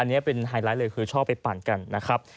อันนี้เป็นไฮไลท์เลยคือชอบไปปั่นกันนะครับ